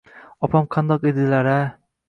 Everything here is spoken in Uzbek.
Opam qandoq edilar-a!